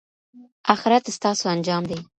اخرت ستاسو انجام دی.